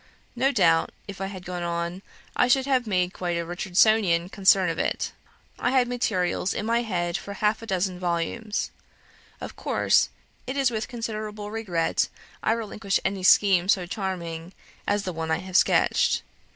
No doubt, if I had gone on, I should have made quite a Richardsonian concern of it ... I had materials in my head for half a dozen volumes ... Of course, it is with considerable regret I relinquish any scheme so charming as the one I have sketched.